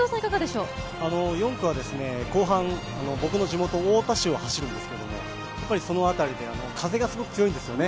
４区は後半、僕の地元太田市を走るんですけどその辺りで風がすごく強いんですよね。